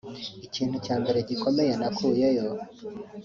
Ikintu cya mbere gikomeye nakuyeyo